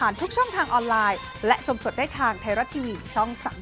เลขมันก็ดูเยอะนะชัดเหมือนกันนะ